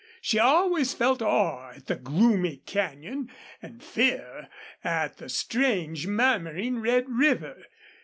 She always felt awe at the gloomy canyon and fear at the strange, murmuring red river.